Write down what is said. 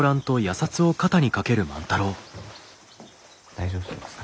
大丈夫そうですか？